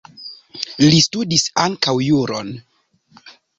Li studis ankaŭ juron.